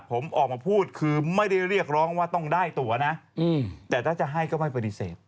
ผมออกมาพูดคือไม่ได้เรียกร้องว่าต้องได้ตัวนะแต่ถ้าจะให้ก็ไม่ปฏิเสธ